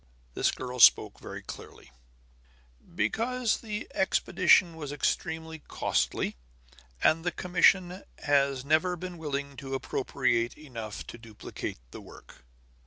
This girl spoke very clearly: "Because the expedition was extremely costly, and the commission has never been willing to appropriate enough to duplicate the work."